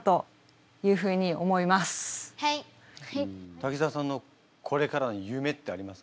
滝沢さんのこれからの夢ってありますか？